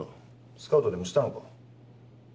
スカウトでもしたのか？